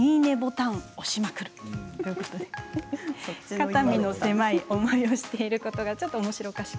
肩身の狭い思いをしていることがちょっとおもしろおかしく。